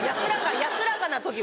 安らかな時は。